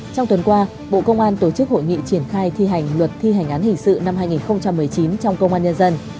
trong tuần qua bộ công an tổ chức hội nghị triển khai thi hành luật thi hành án hình sự năm hai nghìn một mươi chín trong công an nhân dân